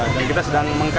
dan kita sedang mengkaitkan